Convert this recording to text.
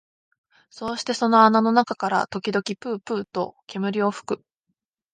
そうしてその穴の中から時々ぷうぷうと煙を吹く